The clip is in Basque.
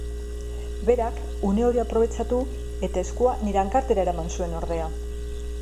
Berak une hura aprobetxatu eta eskua nire hankartera eraman zuen ordea.